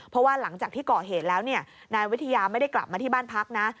เพราะว่าหลังจากที่ก่อเหตุแล้วนายวิทยาไม่ได้กลับมาที่บ้านพักนะ